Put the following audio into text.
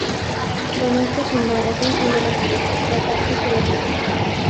Con este fundó otra efímera revista, "Las Artes y las Letras".